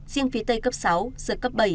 riêng phía tây cấp sáu giữa cấp bảy